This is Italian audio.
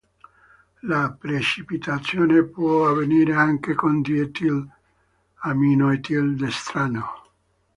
La precipitazione può avvenire anche con Dietil-ammino-etil-destrano.